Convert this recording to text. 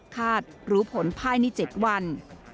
รู้ผลภายใน๗วัน